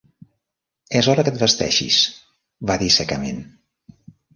"És hora que et vesteixis", va dir secament.